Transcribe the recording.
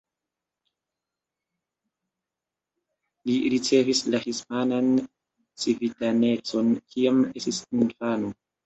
Li ricevis la hispanan civitanecon kiam estis infano.